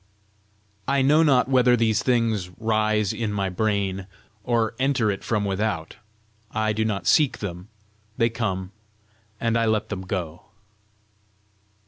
I know not whether these things rise in my brain, or enter it from without. I do not seek them; they come, and I let them go.